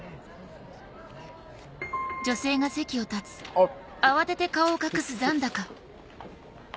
あっ。